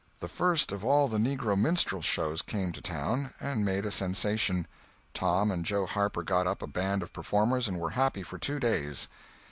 The first of all the negro minstrel shows came to town, and made a sensation. Tom and Joe Harper got up a band of performers and were happy for two days.